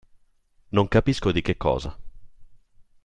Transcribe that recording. Non capisco di che cosa.